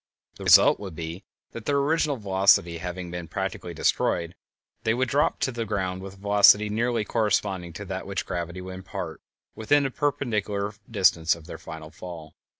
The result would be that, their original velocity having been practically destroyed, they would drop to the ground with a velocity nearly corresponding to that which gravity would impart within the perpendicular distance of their final fall.